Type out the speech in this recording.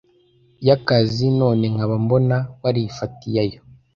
yakazi, none nkaba mbona warifatiye ayo